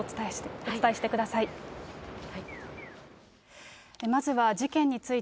お伝えしてください。